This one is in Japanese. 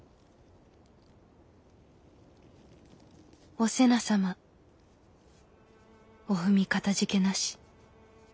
「お瀬名様お文かたじけなし。